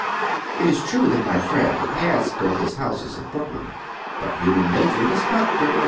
It is true that my friend has built his houses in Brooklyn ; hut human nature does not differ.